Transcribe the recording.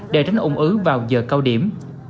để tránh ủng ứ vào giờ cao điểm